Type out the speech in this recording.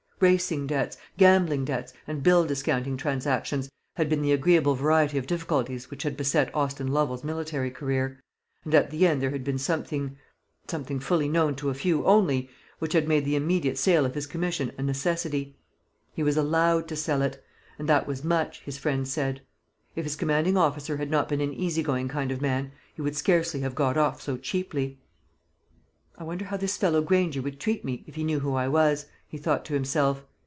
Racing debts, gambling debts, and bill discounting transactions, had been the agreeable variety of difficulties which had beset Austin Lovel's military career; and at the end there had been something something fully known to a few only which had made the immediate sale of his commission a necessity. He was allowed to sell it; and that was much, his friends said. If his commanding officer had not been an easy going kind of man, he would scarcely have got off so cheaply. "I wonder how this fellow Granger would treat me, if he knew who I was?" he thought to himself.